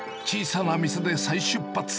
小さな店で再出発。